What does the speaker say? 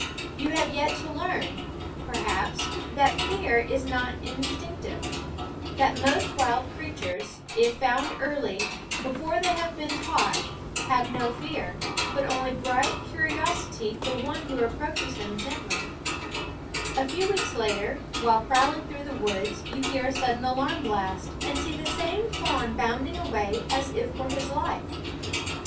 You have yet to learn, ^ yv^ >y^x N 10 Onffie Way ~"/<a School ^& SCHOOL OF perhaps, that fear is not instinctive; that most wild creatures, if found early, before they have been taught, have no fear, but only bright curiosity for one who approaches them gently. A few weeks later, while prowling through the woods, you hear a sudden alarm blast, and see the same fawn bounding away as if for his life.